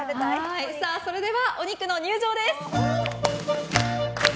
それでは、お肉の塊の入場です。